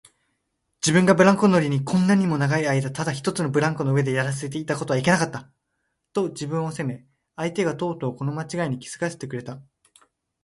自分がブランコ乗りにこんなにも長いあいだただ一つのブランコの上でやらせていたことはいけなかった、と自分を責め、相手がとうとうこのまちがいに気づかせてくれた